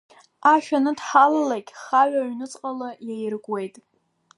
Ашә аныдҳалалак, Хаҩа аҩнуҵҟала иаиркуеит.